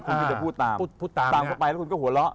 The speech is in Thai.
คุณมีแต่พูดตามตามต่อไปแล้วก็หัวร้า